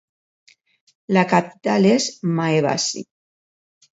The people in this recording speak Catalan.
La capital és Maebashi.